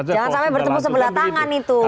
jangan sampai bertemu sebelah tangan itu